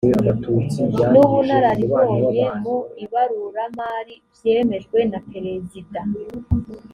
n’ubunararibonye mu ibaruramari byemejwe na perezida